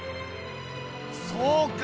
そうか！